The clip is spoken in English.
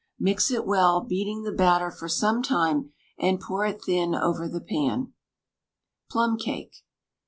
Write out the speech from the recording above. Mix it well, beating the batter for some time, and pour it thin over the pan. PLUM CAKE.